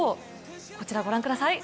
こちらをご覧ください。